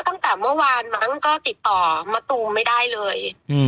ตั้งแต่เมื่อวานมั้งก็ติดต่อมะตูมไม่ได้เลย